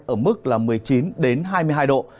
ở mức là một mươi chín hai mươi hai độ